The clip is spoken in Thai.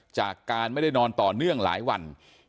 จากการไม่ได้นอนต่อเนื่องหลายวัน